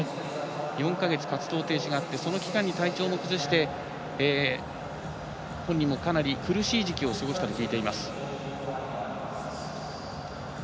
４か月、活動停止があってその間に体調も崩して本人もかなり苦しい時期を過ごしたと聞いています。